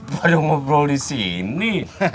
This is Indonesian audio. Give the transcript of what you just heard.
padahal ngobrol disini